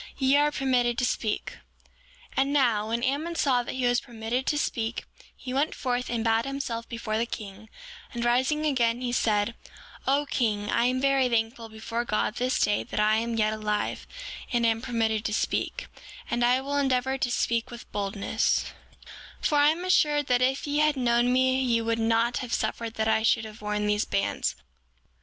Ye are permitted to speak. 7:12 And now, when Ammon saw that he was permitted to speak, he went forth and bowed himself before the king; and rising again he said: O king, I am very thankful before God this day that I am yet alive, and am permitted to speak; and I will endeavor to speak with boldness; 7:13 For I am assured that if ye had known me ye would not have suffered that I should have worn these bands.